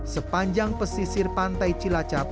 sepanjang pesisir pantai cilacap